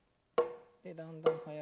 でだんだん速く。